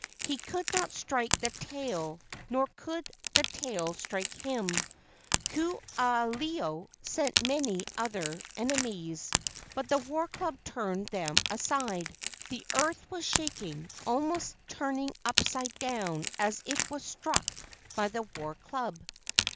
He could not strike the tail, nor could the tail strike him. Ku aha ilo sent many other enemies, but the war club turned them aside. The earth was shaking, almost turning upside down as it was struck by the war club.